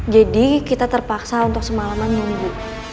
jadi kita terpaksa untuk semalaman nunggu